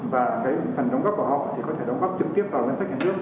và cái phần đóng góp của họ thì có thể đóng góp trực tiếp vào ngân sách nhà nước